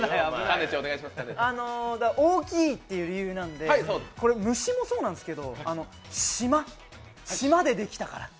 大きいっていう理由なんで、これ無視もそうなんですけど島でできたから。